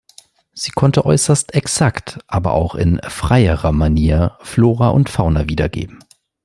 Sie konnte äußerst exakt, aber auch in freierer Manier Flora und Fauna wiedergeben.